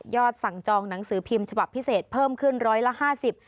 ยอดสั่งจองหนังสือพิมพ์ฉบับพิเศษเพิ่มขึ้น๑๕๐บาท